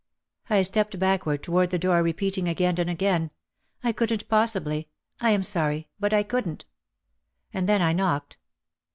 I stepped backward toward the door repeating again and again, "I couldn't possibly. I am sorry but I couldn't," and then I knocked.